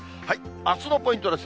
あすのポイントです。